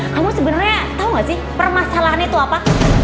kamu sebenernya tau gak sih permasalahannya itu apa